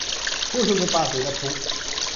ผู้ชุมนุมปาสีและพลุ